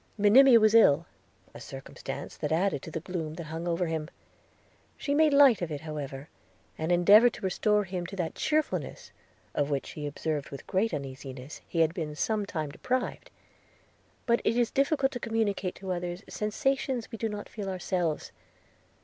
– Monimia was ill, a circumstance that added to the gloom that hung over him: – she made light of it however, and endeavoured to restore to him that cheerfulness, of which, she observed with great uneasiness, he had been some time deprived; but it is difficult to communicate to others sensations we do not feel ourselves.